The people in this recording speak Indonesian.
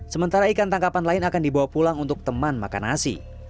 sementara ikan tangkapan lain akan dibawa pulang untuk teman makan nasi